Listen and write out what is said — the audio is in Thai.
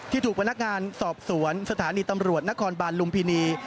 ถูกพนักงานสอบสวนสถานีตำรวจนครบาลลุมพินี